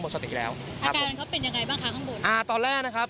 แล้วอาการเขาเป็นยังไงบ้างคะข้างบนอ่าตอนแรกนะครับ